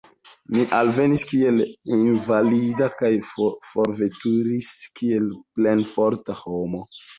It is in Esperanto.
Mi alvenis kiel invalido kaj forveturis kiel plenforta homo.